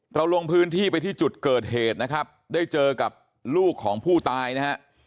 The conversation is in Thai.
ลงพื้นที่ไปที่จุดเกิดเหตุนะครับได้เจอกับลูกของผู้ตายนะฮะ